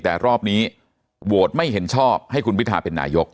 แต่รอบนี้โหวตไม่เห็นชอบให้คุณพิทาเป็นนายก